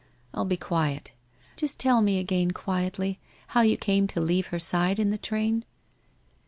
I'll be quiet. Just tell me again quietly, how you came to leave her side in the train?